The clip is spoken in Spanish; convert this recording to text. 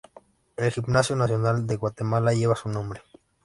El Gimnasio Nacional de Guatemala lleva su nombre.